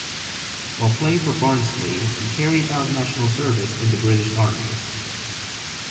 While playing for Barnsley, he carried out national service in the British Army.